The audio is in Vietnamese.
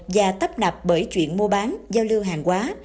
và tắp nạp bởi chuyện mua bán giao lưu hàng quá